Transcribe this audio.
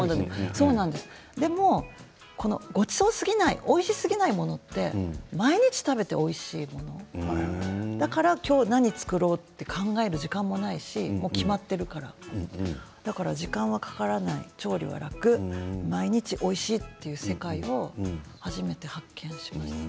でもこのおいしすぎないものって毎日食べてもおいしいから今日、何を作ろうと考える時間もないし決まっているからだから時間がかからない調理は楽、毎日おいしいという世界を初めて発見しました。